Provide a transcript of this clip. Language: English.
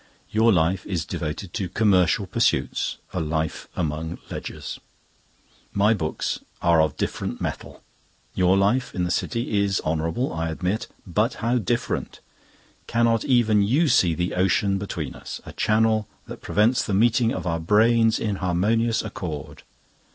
Your life is devoted to commercial pursuits—'A life among Ledgers.' My books are of different metal. Your life in the City is honourable, I admit. But how different! Cannot even you see the ocean between us? A channel that prevents the meeting of our brains in harmonious accord.